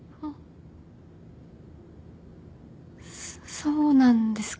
そうなんですか。